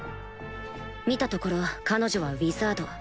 見たところ彼女はウィザード